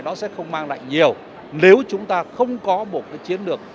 nó sẽ không mang lại nhiều nếu chúng ta không có một cái chiến lược